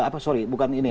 apa sorry bukan ini